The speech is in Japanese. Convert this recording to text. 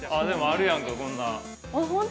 ◆あるやんか、こんなん。